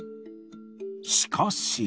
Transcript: しかし。